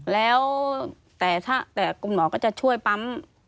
แล้วแต่คุณหมอก็จะช่วยปั๊ม